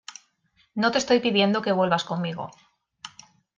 no te estoy pidiendo que vuelvas conmigo